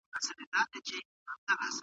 هیوادمل صاحب په پښتو ادب کي لویه څېره ده.